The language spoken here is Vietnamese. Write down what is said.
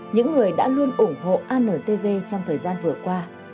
những người đã luôn ủng hộ antv trong thời gian vừa qua